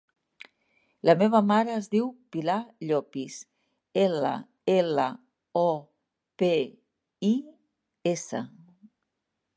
La meva mare es diu Pilar Llopis: ela, ela, o, pe, i, essa.